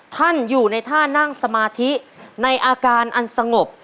ท่านอยู่ในท่านั่งสมาธิในอาการอันสงบ